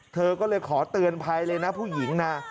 เธอก็เลยขอเตือนภัยเลยนะผู้หญิงนะ